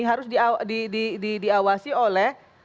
harus diawasi oleh